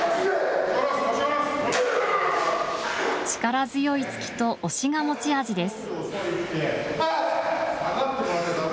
力強い突きと押しが持ち味です。